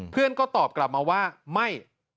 เพื่อนก็ตอบกลับมาว่าไม่